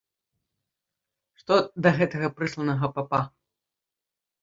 Што да гэтага прысланага папа.